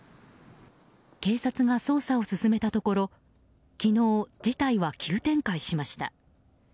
警察が捜査を進めたところ昨日、事態は急展開しました。